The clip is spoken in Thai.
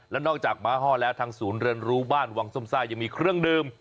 แล้วนอกจากมหาวแล้วทางศูนย์เรินรูบ้านวังส้มซากยังมีเครื่องเดิม